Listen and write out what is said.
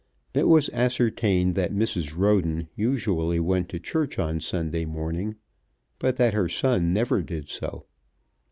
It was ascertained that Mrs. Roden usually went to church on Sunday morning, but that her son never did so.